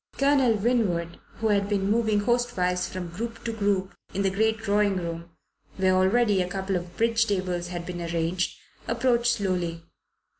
Colonel Winwood, who had been moving hostwise from group to group in the great drawing room, where already a couple of bridge tables had been arranged, approached slowly.